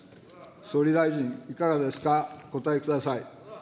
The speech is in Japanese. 総理大臣、いかがですか、お答えください。